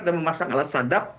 dan memasang alat sadap